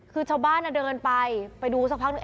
คือชาวบ้านเดินไปไปดูสักพักหนึ่ง